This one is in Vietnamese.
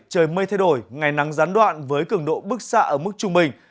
trời mây thay đổi ngày nắng gián đoạn với cường độ bức xạ ở mức trung bình